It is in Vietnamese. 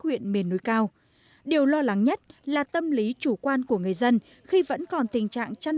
huyện miền núi cao điều lo lắng nhất là tâm lý chủ quan của người dân khi vẫn còn tình trạng chăn